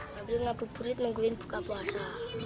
sambil ngabuburi tungguin buka puasa